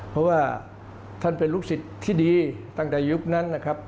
เพราะว่าท่านเป็นลูกศิษย์ที่ดีตั้งแต่ยุคนั้นนะครับ